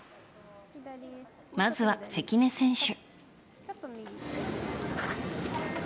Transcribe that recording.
まずは、関根選手。